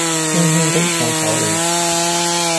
輕輕的我走了